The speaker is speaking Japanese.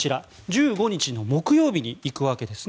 １５日の木曜日に行くわけです。